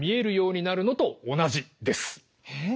えっ？